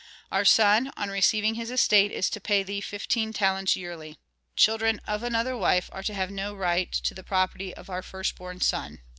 Our son, on receiving his estate, is to pay thee fifteen talents yearly. Children of another wife are to have no right to the property of our first born son."